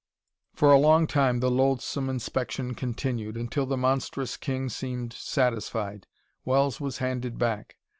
For a long time the loathsome inspection continued, until the monstrous king seemed satisfied. Wells was handed back.